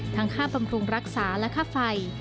ทั้งค่าปรับปรุงรักษาและค่าไฟ